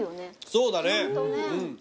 そうだね。